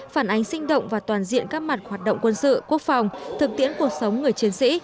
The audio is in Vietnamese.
phản ánh sinh động và toàn diện các mặt hoạt động quân sự quốc phòng thực tiễn cuộc sống người chiến sĩ